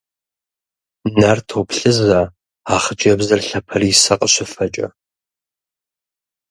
Нэр топлъызэ а хъыджбзыр лъапэрисэ къыщыфэкӏэ.